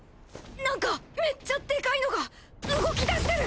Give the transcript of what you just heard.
なんかめっちゃデカイのが動き出してる！